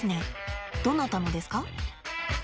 どなたのですか？